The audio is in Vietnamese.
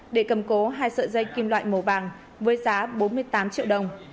để cầm cố hai sợi dây kim loại màu vàng với giá bốn mươi tám triệu đồng